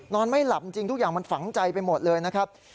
ไม่หลับจริงทุกอย่างมันฝังใจไปหมดเลยนะครับ